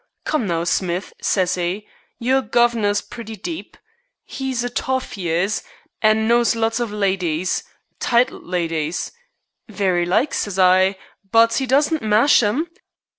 'Come now, Smith,' says 'e, 'your guv'nor's pretty deep. 'E's a toff, 'e is, an' knows lots of lydies titled lydies.' 'Very like,' says I, 'but 'e doesn't mash 'em.'